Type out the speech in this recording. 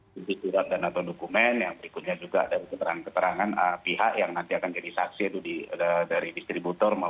jadi surat dan dokumen yang berikutnya juga ada keterangan keterangan pihak yang nanti akan jadi saksi itu dari distributor